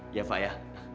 iya pak ya